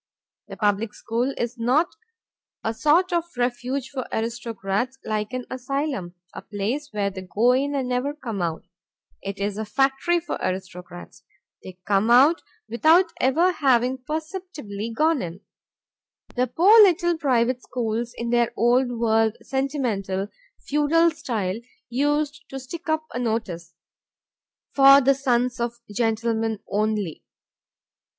The public school is not a sort of refuge for aristocrats, like an asylum, a place where they go in and never come out. It is a factory for aristocrats; they come out without ever having perceptibly gone in. The poor little private schools, in their old world, sentimental, feudal style, used to stick up a notice, "For the Sons of Gentlemen only."